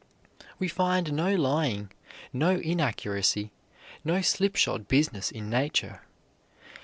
We find no lying, no inaccuracy, no slipshod business in nature.